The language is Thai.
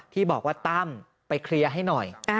ที่บอกว่าตั้มไปเคลียร์ให้หน่อย